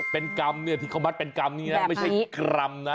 เป็นกรรมเนี่ยที่เขามัดเป็นกรรมนี่นะไม่ใช่กรัมนะ